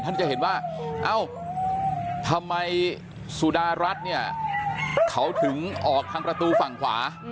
ท่านจะเห็นว่าเอ้าทำไมสุดารัฐเนี่ยเขาถึงออกทางประตูฝั่งขวา